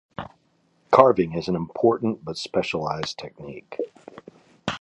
Carving is an important, but specialised technique.